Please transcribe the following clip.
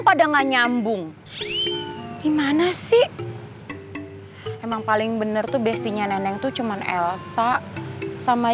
pada nggak nyambung gimana sih emang paling bener tuh bestinya neneng tuh cuman elsa sama